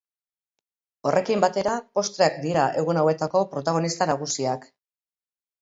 Horrekin batera, postreak dira egun hauetako beste protagonista nagusiak.